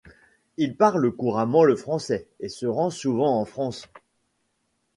Il parle couramment le français et se rend souvent en France.